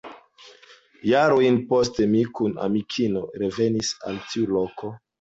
Jarojn poste mi kun amikino revenis al tiu loko.